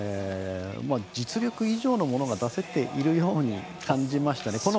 実力以上のものが出せているように感じましたね。